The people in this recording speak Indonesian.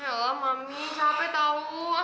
ayolah mami capek tau